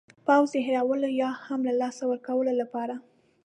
پوځ د هېرولو یا هم له لاسه ورکولو لپاره.